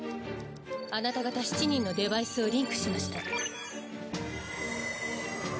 あなた方７人のデバイスをリンクしました。